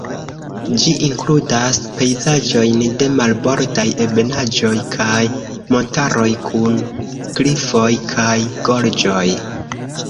Ĝi inkludas pejzaĝojn de marbordaj ebenaĵoj kaj montaroj kun klifoj kaj gorĝoj.